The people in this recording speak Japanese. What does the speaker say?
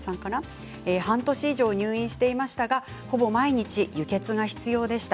半年以上入院していましたがほぼ毎日、輸血が必要でした。